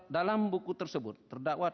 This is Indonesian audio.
dalam buku tersebut terdakwa